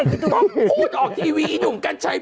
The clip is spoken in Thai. ก็พูดออกทีวีนุ่มกันชัย